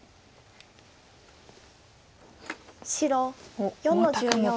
白４の十四。